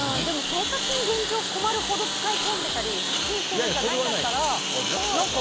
生活に現状、困るほど使い込んでいたり借金しているとかじゃないんだったら。